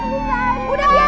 udah biarin aja